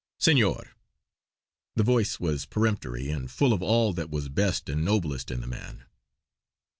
"Senor!" the voice was peremptory and full of all that was best and noblest in the man.